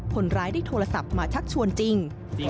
คนร้ายได้โทรศัพท์มาชักชวนจริง